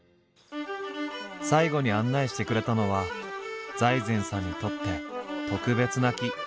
最後に案内してくれたのは財前さんにとって特別な木。